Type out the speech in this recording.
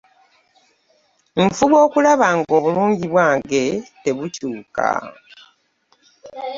Nfuba okulaba nga obulungi bwange tebukyuka.